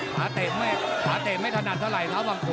ขาเตะไม่ถนัดเท่าไหร่